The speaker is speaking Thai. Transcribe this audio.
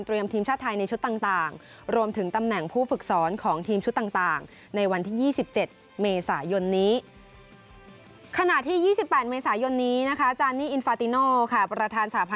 เตรียมทีมชาตาไทยในชุดต่าง